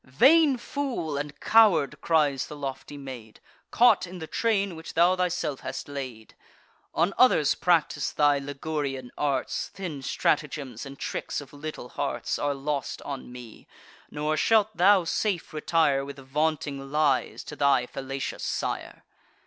"Vain fool, and coward!" cries the lofty maid, "Caught in the train which thou thyself hast laid! On others practice thy Ligurian arts; Thin stratagems and tricks of little hearts Are lost on me: nor shalt thou safe retire, With vaunting lies, to thy fallacious sire."